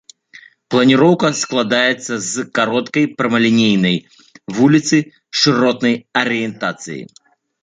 Планіроўка складаецца з кароткай прамалінейнай вуліцы шыротнай арыентацыі.